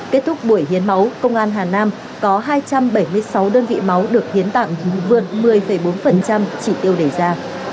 kết thúc buổi hiến máu công an hà nam có hai trăm bảy mươi sáu đơn vị máu được hiến tặng vượt một mươi bốn chỉ tiêu đề ra